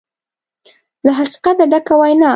له حقیقته ډکه وینا